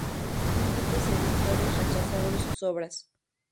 Múltiples editores rechazaron sus obras.